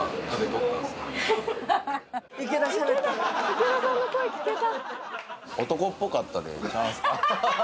池田さんの声聞けた。